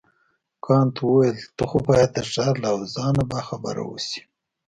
کانت وویل ته خو باید د ښار له اوضاع نه باخبره اوسې.